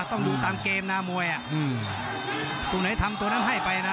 ต้องดูตามเกมนะมวยอ่ะอืมตัวไหนทำตัวนั้นให้ไปนะ